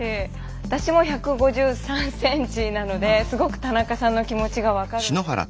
私も１５３ｃｍなのですごく田中さんの気持ちが分かるんですね。